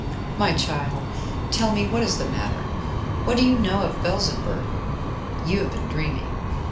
"My child, tell me what is the matter. What do you know of Felsenburgh? You have been dreaming."